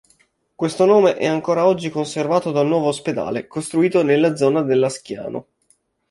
Questo nome è ancora oggi conservato dal nuovo ospedale, costruito nella zona della "Schiano".